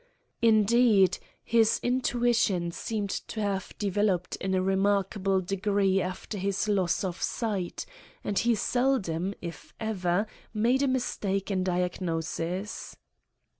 Indeed, his intuition seemed to have developed in a remarkable degree after his loss of sight, and he seldom, if ever, made a mistake in diagnosis.